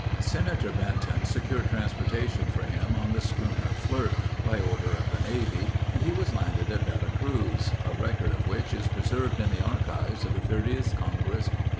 Senator Benton secured transportation for him on the schooner Flirt, by order of the Navy, and he was landed at Vera Cruz—a record of which is preserved in the archives of the 30th Congress, 1848.